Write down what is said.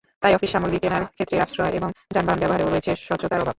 তাই অফিস সামগ্রী কেনার ক্ষেত্রে সাশ্রয় এবং যানবাহন ব্যবহারেও রয়েছে স্বচ্ছতার অভাব।